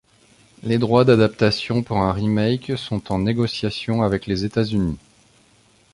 Les droits d'adaptation pour un remake sont en négociation avec les États-Unis.